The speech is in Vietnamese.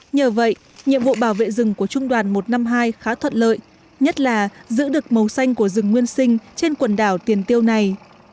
nhờ vậy nhiệm vụ bảo vệ rừng của trung đoàn một trăm năm mươi hai khá thuận lợi nhất là giữ được màu xanh của rừng nguyên sinh trên quần đảo tiền tiêu này